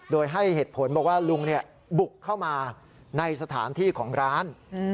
โดยให้เหตุผลบอกว่าลุงบุกเข้ามาในสถานที่ของร้าน